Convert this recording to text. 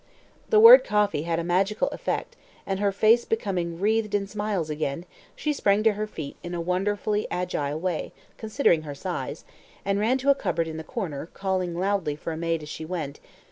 The word coffee had a magical effect, and her face becoming wreathed in smiles again, she sprang to her feet in a wonderfully agile way, considering her size, and ran to a cupboard in the corner, calling loudly for a maid as she went.